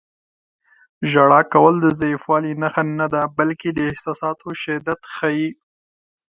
• ژړا کول د ضعیفوالي نښه نه ده، بلکې د احساساتو شدت ښيي.